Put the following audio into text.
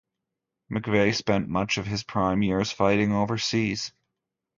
McVey spent much of his prime years fighting overseas.